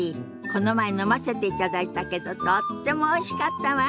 この前飲ませていただいたけどとってもおいしかったわ。